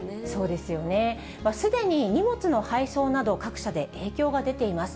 すでに荷物の配送など、各社で影響が出ています。